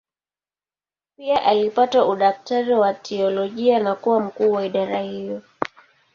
Pia alipata udaktari wa teolojia na kuwa mkuu wa idara hiyo.